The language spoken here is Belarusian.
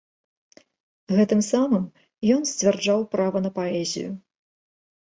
Гэтым самым ён сцвярджаў права на паэзію.